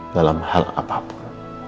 dalam hal apapun